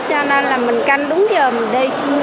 cho nên mình canh đúng giờ mình đi